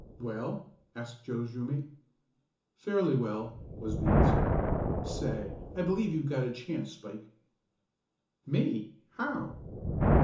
"Well?" asked Joe's room mate. "Fairly well," was the answer. "Say, I believe you've got a chance, Spike." "Me? How?"